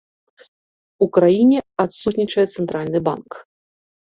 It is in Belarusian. У краіне адсутнічае цэнтральны банк.